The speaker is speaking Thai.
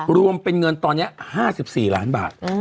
รวมเป็นเงินตอนนี้๕๔ล้านบาท